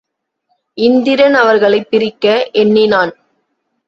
இந்திரன் அவர்களைப் பிரிக்க எண்ணினான்.